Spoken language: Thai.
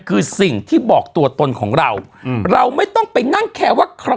คือสิ่งที่บอกตัวตนของเราเราไม่ต้องไปนั่งแคร์ว่าใคร